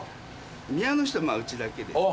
宮ノ下うちだけですね。